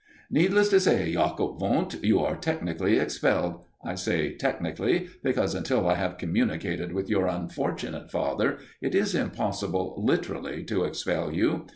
"Needless to say, Jacob Wundt, you are technically expelled. I say 'technically,' because, until I have communicated with your unfortunate father, it is impossible literally to expel you.